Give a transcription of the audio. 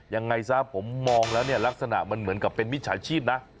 ยังไงซะผมมองแล้วเนี่ยลักษณะมันเหมือนกับเป็นมิจฉาชีพนะ